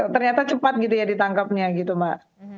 ternyata cepat gitu ya ditangkapnya gitu mbak